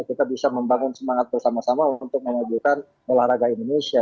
kita bisa membangun semangat bersama sama untuk memajukan olahraga indonesia